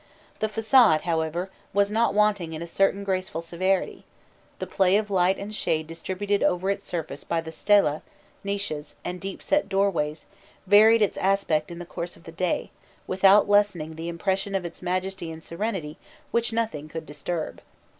The façade, however, was not wanting in a certain graceful severity: the play of light and shade distributed over its surface by the stelæ, niches, and deep set doorways, varied its aspect in the course of the day, without lessening the impression of its majesty and serenity which nothing could disturb.